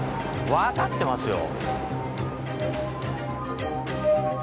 わかってますよ！